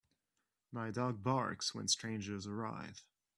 My dog barks when strangers arrive.